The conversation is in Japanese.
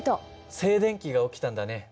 静電気が起きたんだね。